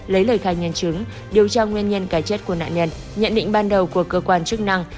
lấy lời khai nhân chứng điều tra nguyên nhân cái chết của nạn nhân nhận định ban đầu của cơ quan chức năng